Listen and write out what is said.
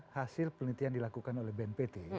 hasil penelitian dilakukan oleh bnpt